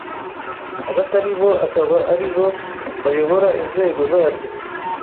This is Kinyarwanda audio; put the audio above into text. abatari bo akaba ari bo bayobora inzego zaryo